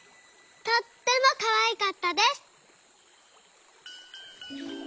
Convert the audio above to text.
とってもかわいかったです」。